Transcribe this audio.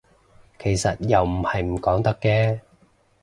其實又唔係唔講得嘅